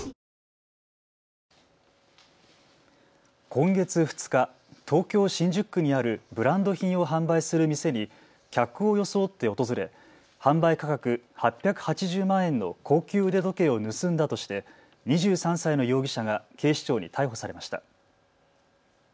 今月２日、東京新宿区にあるブランド品を販売する店に客を装って訪れ販売価格８８０万円の高級腕時計を盗んだとして２３歳の容疑者が警視庁に逮捕されました。